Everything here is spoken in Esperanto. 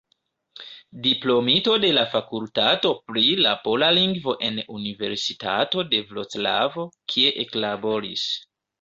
Diplomito de la fakultato pri la pola lingvo en Universitato de Vroclavo, kie eklaboris.